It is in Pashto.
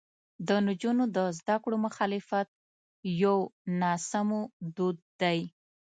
د نجونو د زده کړو مخالفت یو ناسمو دود دی.